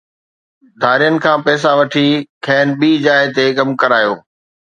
ڌارين کان پئسا وٺي کين ٻي جاءِ تي ڪم ڪرايو